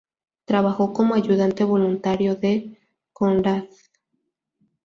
Trabajó como ayudante voluntario de Konrad Th.